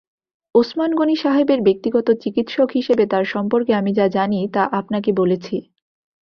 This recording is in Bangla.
ওসমান গনি সাহেবের ব্যক্তিগত চিকিৎসক হিসেবে তাঁর সম্পর্কে আমি যা জানি তা আপনাকে বলেছি।